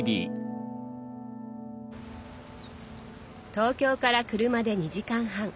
東京から車で２時間半。